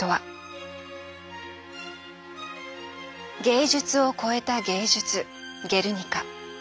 芸術を超えた芸術「ゲルニカ」。